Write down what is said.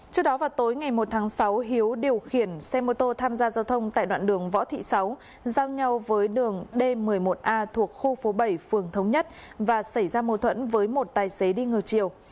trước đó vào tối ngày một tháng sáu hiếu điều khiển xe mô tô tham gia giao thông tại đoạn đường võ thị sáu giao nhau với đường d một mươi một a thuộc khu phố bảy phường thống nhất và xảy ra mâu thuẫn với một tài xế đi ngược chiều